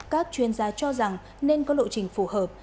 các chuyên gia cho rằng nên có lộ trình phù hợp